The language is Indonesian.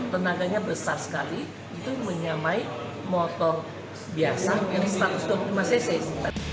tenaganya besar sekali itu menyamai motor biasa yang satu ratus dua puluh lima cc